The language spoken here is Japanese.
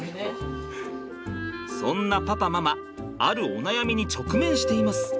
そんなパパママあるお悩みに直面しています。